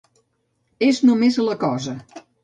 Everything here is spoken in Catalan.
És només la cosa.